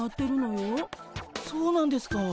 そうなんですか。